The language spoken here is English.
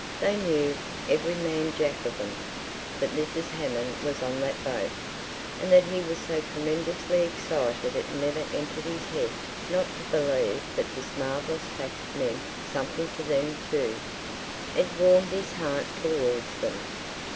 They knew, every man jack of them, that Mrs. Hammond was on that boat, and that he was so tremendously excited it never entered his head not to believe that this marvellous fact meant something to them too. It warmed his heart towards them.